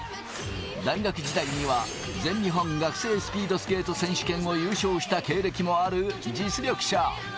大学時代には全日本学生スピードスケート選手権を優勝した経歴もある実力者。